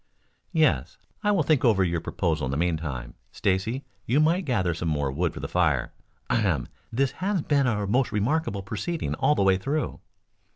"Yes. I will think over your proposal in the meantime. Stacy, you might gather some more wood for the fire. Ahem! This has been a most remarkable proceeding all the way through."